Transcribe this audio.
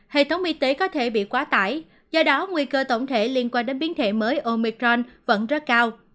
hệ thống y tế có thể bị quá tải do đó nguy cơ tổng thể liên quan đến biến thể mới omicron vẫn rất cao